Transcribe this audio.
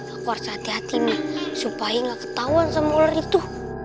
aku harus hati hatimu supaya nggak ketahuan sama ular itu